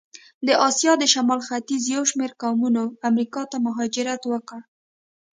د آسیا د شمال ختیځ یو شمېر قومونه امریکا ته مهاجرت وکړ.